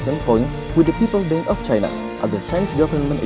dan poin liaisen dengan orang orang dari china agensi pemerintah cina